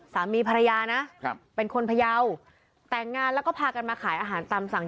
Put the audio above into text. สามีภรรยานะครับเป็นคนพยาวแต่งงานแล้วก็พากันมาขายอาหารตามสั่ง